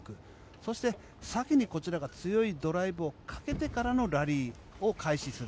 そして、先にこちらが強いドライブをかけてからのラリーを開始する。